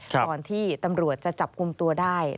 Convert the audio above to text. ก่อนที่ตำรวจจะจับกลุ่มตัวได้